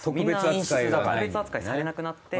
特別扱いされなくなって。